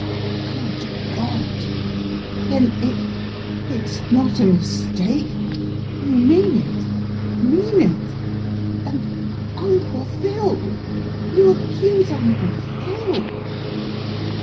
"Good God! Then it it's not a mistake? You mean it mean it? And Uncle Phil! You accuse Uncle Phil?"